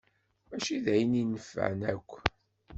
Mačči d ayen inefεen akk.